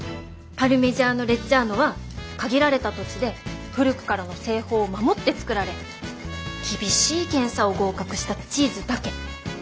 パルミジャーノ・レッジャーノは限られた土地で古くからの製法を守って作られ厳しい検査を合格したチーズだけ。